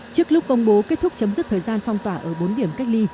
trước lúc công bố kết thúc chấm dứt thời gian phong tỏa ở bốn điểm cách ly